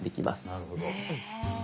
なるほど。